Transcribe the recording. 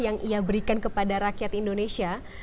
yang ia berikan kepada rakyat indonesia